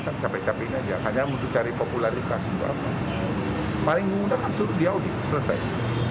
kan capek capek aja hanya untuk cari popularitas juga apa paling mudah kan suruh diaudit selesai